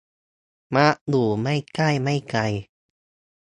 มักอยู่ไม่ใกล้ไม่ไกล